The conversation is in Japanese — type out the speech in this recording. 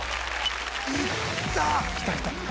いった。